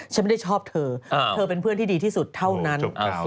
ฉันไม่ได้ชอบเธอเธอเป็นเพื่อนที่ดีที่สุดเท่านั้น